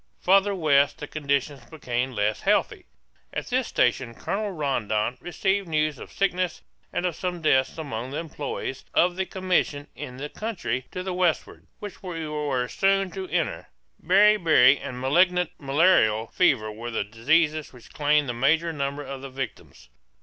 Farther west the conditions become less healthy. At this station Colonel Rondon received news of sickness and of some deaths among the employees of the commission in the country to the westward, which we were soon to enter. Beriberi and malignant malarial fever were the diseases which claimed the major number of the victims.